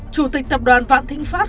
chủ tịch tập đoàn vạn thinh pháp